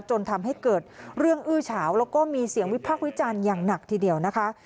จนทำให้เกิดเรื่องอื้อเฉาแล้วก็มีเสียงวิพากษ์วิจารณ์อย่างหนักทีเดียวนะคะ